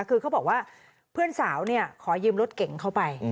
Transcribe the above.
คือเขาบอกว่าเพื่อนสาวขอยืมรถเก่งเข้าไป